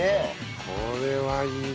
これはいいな。